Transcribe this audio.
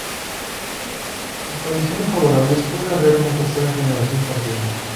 En condiciones favorables puede haber una tercera generación parcial.